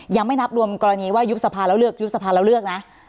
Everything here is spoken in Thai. ยังไม่นับรวมกรณีว่ายุบสภาแล้วเลือกยุบสภาแล้วเลือกนะ